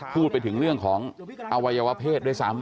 พูดถึงเรื่องของอวัยวะเพศด้วยซ้ำ